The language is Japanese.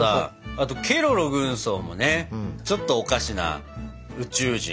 あとケロロ軍曹もねちょっとおかしな宇宙人。